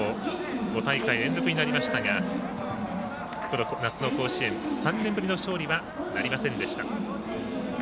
５大会連続になりましたが夏の甲子園３年ぶりの勝利はなりませんでした。